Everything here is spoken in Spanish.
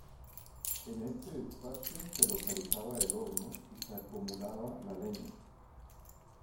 En este espacio se localizaba el horno y se acumulaba la leña.